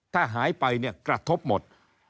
ถ้าหายไปกระทบหมด